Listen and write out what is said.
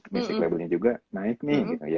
music labelnya juga naik nih